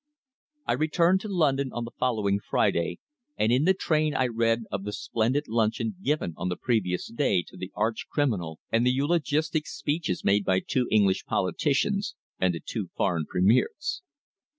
I returned to London on the following Friday, and in the train I read of the splendid luncheon given on the previous day to the arch criminal and the eulogistic speeches made by two English politicians and the two foreign Premiers.